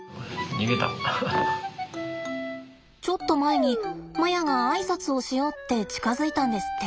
ちょっと前にマヤが挨拶をしようって近づいたんですって。